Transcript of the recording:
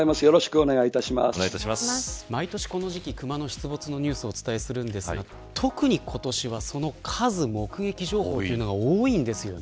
毎年この時期、クマの出没のニュースをお伝えしますが特に今年は、その数目撃情報も多いですよね。